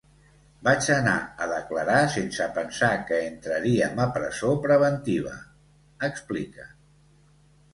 Vaig anar a declarar sense pensar que entraríem a presó preventiva, explica.